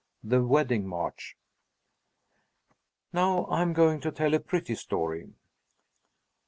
The Wedding March Now I'm going to tell a pretty story.